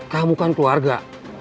kamu kan keluarga